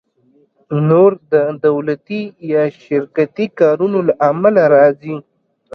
نور د دولتي یا شرکتي کارونو له امله راځي